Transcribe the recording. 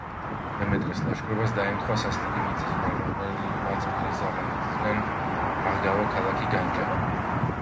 დემეტრეს ლაშქრობას დაემთხვა სასტიკი მიწისძვრა, რომელმაც პირისაგან მიწისა აღგავა ქალაქი განჯა.